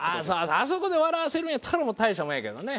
あそこで笑わせるんやったら大したもんやけどね。